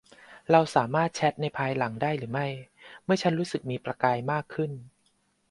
เราสามารถแชทในภายหลังได้หรือไม่เมื่อฉันรู้สึกมีประกายมากขึ้น ?